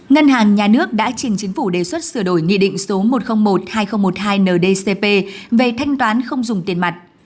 ngân hàng nhà nước đã trình chính phủ đề xuất sửa đổi nghị định số một trăm linh một hai nghìn một mươi hai ndcp về thanh toán không dùng tiền mặt